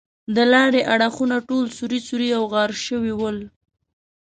د لارې اړخونه ټول سوري سوري او غار شوي ول.